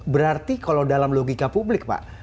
berarti kalau dalam logika publik pak